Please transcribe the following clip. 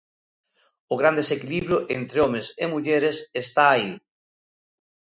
O gran desequilibrio entre homes e mulleres está aí.